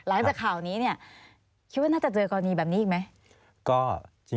หลังจากข่าวนี้เนี่ยคิดว่าน่าจะเจอกรณีแบบนี้อีกไหม